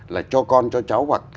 là cho con cho cháu hoặc